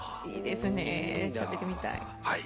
いいですね食べてみたい。